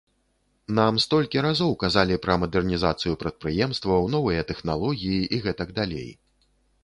Нам столькі разоў казалі пра мадэрнізацыю прадпрыемстваў, новыя тэхналогіі і гэтак далей.